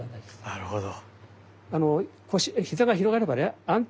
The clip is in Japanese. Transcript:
なるほど。